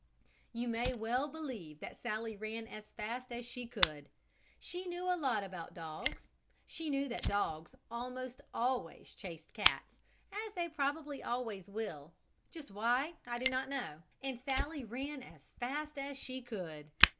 You may well believe that Sallie ran as fast as she could. She knew a lot about dogs she knew that dogs, almost always, chased cats as they probably always will just why I do not know. And Sallie ran as fast as she could.